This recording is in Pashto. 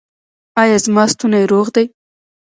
ایا زما ستونی روغ دی؟